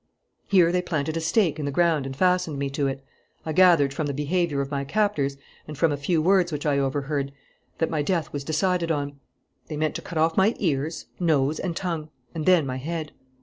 "Here they planted a stake in the ground and fastened me to it. I gathered from the behaviour of my captors and from a few words which I overheard that my death was decided on. They meant to cut off my ears, nose, and tongue, and then my head.